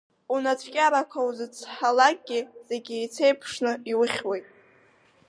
Унацәкьарақәа узыцҳа-лакгьы, зегьы еицеиԥшны иухьуеит.